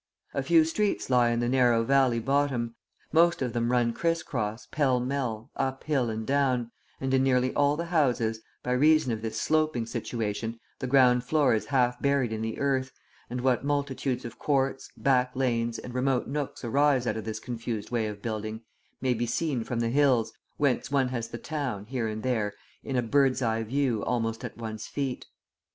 A few streets lie in the narrow valley bottom, most of them run criss cross, pell mell, up hill and down, and in nearly all the houses, by reason of this sloping situation, the ground floor is half buried in the earth; and what multitudes of courts, back lanes, and remote nooks arise out of this confused way of building may be seen from the hills, whence one has the town, here and there, in a bird's eye view almost at one's feet.